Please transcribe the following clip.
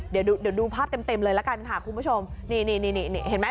เดี๋ยวเดี๋ยวดูภาพเต็มเต็มเลยละกันค่ะคุณผู้ชมนี่นี่นี่เห็นไหม